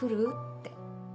って。